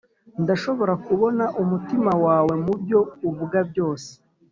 ndashobora kubona umutima wawe mubyo uvuga byose